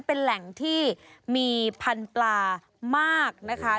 เป็นแหล่งที่มีพันธุ์ปลามากนะคะ